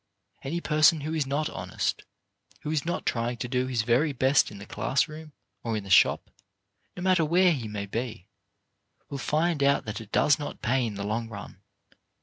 Any person who is not honest, who is not trying to do his very best in the class room or in the shop, no matter where he may be, will find out that it does not pay in the long run.